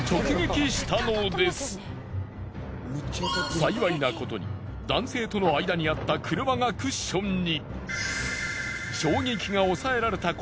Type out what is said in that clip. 幸いなことに男性との間にあった車がクッションに。